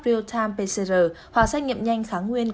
real time pcr hoặc sách nghiệm nhanh kháng nguyên